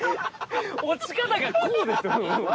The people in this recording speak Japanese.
落ち方がこうです。